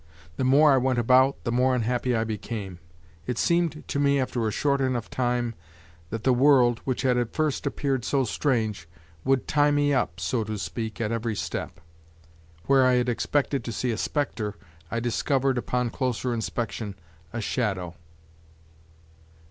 The more I went about, the more unhappy I became. It seemed to me after a short enough time, that the world, which had at first appeared so strange, would tie me up, so to speak, at every step; where I had expected to see a specter, I discovered, upon closer inspection, a shadow.